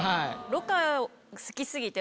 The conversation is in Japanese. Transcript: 魯珈好き過ぎて。